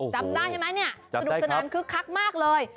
จำได้ไหมสนุกจำนานคึกคักมากเลย